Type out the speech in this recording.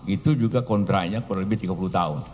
itu juga kontraknya kurang lebih tiga puluh tahun